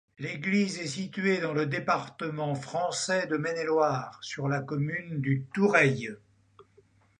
L'église est située dans le département français de Maine-et-Loire, sur la commune du Thoureil.